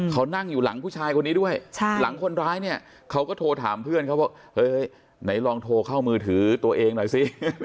เขานั่งอยู่หลังผู้ชายคนนี้ด้วยหลังคนร้ายเนี่ยเขาก็โทรถามเพื่อนเขาว่าเฮ้ยไหนลองโทรเข้ามือถือตัวเองหน่อยสิ